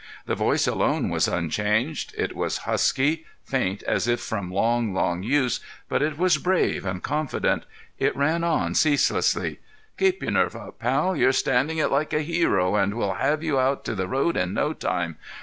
The voice alone was unchanged; it was husky, faint as if from long, long use, but it was brave and confident; it ran on ceaselessly: "Keep your nerve up, pal; you're standing it like a hero, and we'll have you out to the road in no time.